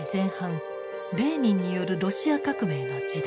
レーニンによるロシア革命の時代。